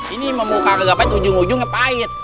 ini mau buka kegapain ujung ujungnya pahit